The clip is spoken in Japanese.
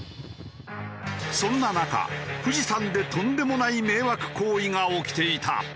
そんな中富士山でとんでもない迷惑行為が起きていた。